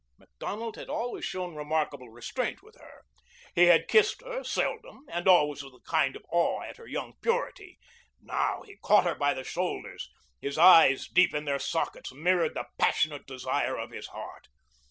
Macdonald had always shown remarkable restraint with her. He had kissed her seldom, and always with a kind of awe at her young purity. Now he caught her by the shoulders. His eyes, deep in their sockets, mirrored the passionate desire of his heart.